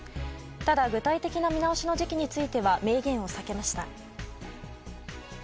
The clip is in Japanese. ただ、具体的な見直しの時期については明言を避けました。